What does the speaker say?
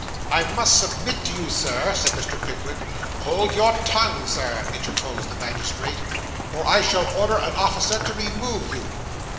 'I must submit to you, Sir ' said Mr. Pickwick. 'Hold your tongue, sir,' interposed the magistrate, 'or I shall order an officer to remove you.